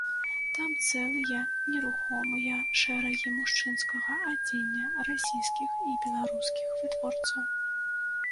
Там цэлыя нерухомыя шэрагі мужчынскага адзення, расійскіх і беларускіх вытворцаў.